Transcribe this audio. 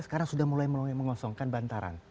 sekarang sudah mulai mengosongkan bantaran